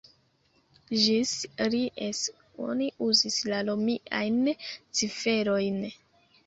Ĝis Ries oni uzis la romiajn ciferojn.